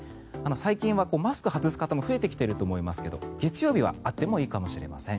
最近はマスクを外す方も増えてきているかもしれませんが月曜日はあってもいいかもしれません。